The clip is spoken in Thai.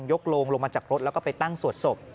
โลงลงมาจากรถแล้วก็ไปตั้งสวดศพ